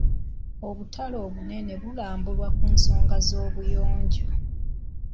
Obutale obunene bulambulwa ku nsonga z'obuyonjo.